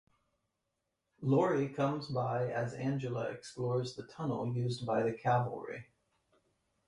Laurie comes by as Angela explores the tunnel used by the Kavalry.